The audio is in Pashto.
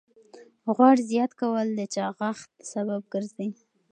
غوړ زیات کول د چاغښت سبب ګرځي.